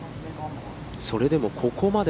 それでもここまで。